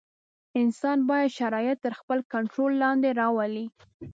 انسان باید شرایط تر خپل کنټرول لاندې راولي.